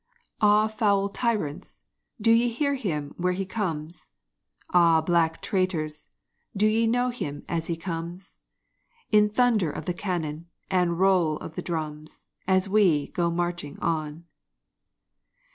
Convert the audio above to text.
Ah, foul Tyrants! do ye hear him where he comes? Ah, black traitors! do ye know him as he comes, In thunder of the cannon and roll of the drums, As we go marching on?